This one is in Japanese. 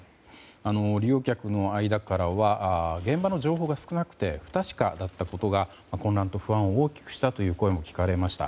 利用客の間からは現場の情報が少なくて不確かだったことが混乱と不安を大きくしたという声も聞かれました。